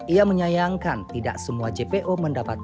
ia menyayangkan tidak semua jpo mendapatkan